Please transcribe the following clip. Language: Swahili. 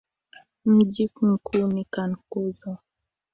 Mji mkuu ni Cankuzo.